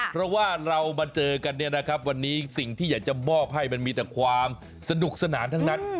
เพราะว่าเรามาเจอกันเนี่ยนะครับวันนี้สิ่งที่อยากจะมอบให้มันมีแต่ความสนุกสนานทั้งนั้น